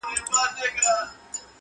پر تېر سوى دئ ناورين د زورورو!